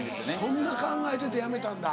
そんな考えてて辞めたんだ。